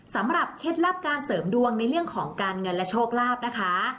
เคล็ดลับการเสริมดวงในเรื่องของการเงินและโชคลาภนะคะ